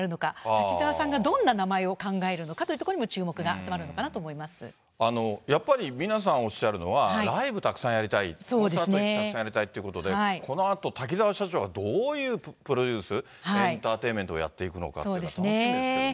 滝沢さんがどんな名前を考えるのかということにも注目が集まるのやっぱり、皆さんおっしゃるのは、ライブたくさんやりたい、コンサートたくさんやりたいということで、このあと、滝沢社長がどういうプロデュース、エンターテインメントをやっていくのか、楽しみですよね。